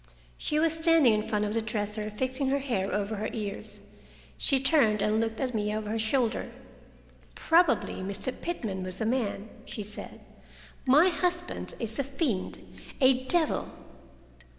She was standing in front of the dresser, fixing her hair over her ears. She turned and looked at me over her shoulder. "Probably Mr. Pitman was a man," she said. "My husband is a fiend, a devil."